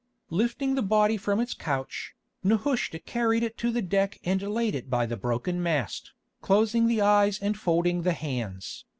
Lifting the body from its couch, Nehushta carried it to the deck and laid it by the broken mast, closing the eyes and folding the hands.